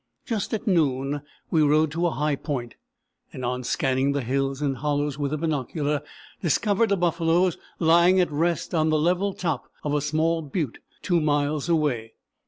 Just at noon we rode to a high point, and on scanning the hills and hollows with the binocular discovered the buffaloes lying at rest on the level top of a small butte 2 miles away.